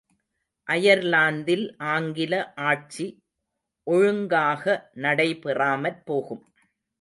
அயர்லாந்தில் ஆங்கில ஆட்சி ஒழுங்காக நடைபெறாமற் போகும்.